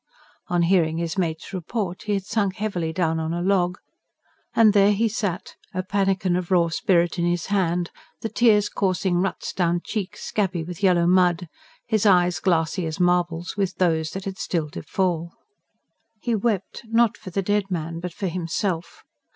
On hearing his mate's report he had sunk heavily down on a log, and there he sat, a pannikin of raw spirit in his hand, the tears coursing ruts down cheeks scabby with yellow mud, his eyes glassy as marbles with those that had still to fall. He wept, not for the dead man, but for himself.